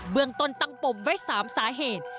เบื้องตนตั้งปมไว้สามสาเหตุ